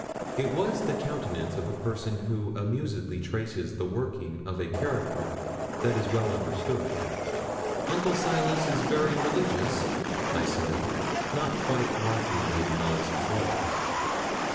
It was the countenance of a person who amusedly traces the working of a character that is well understood. 'Uncle Silas is very religious?' I said, not quite liking Lady Knollys' looks.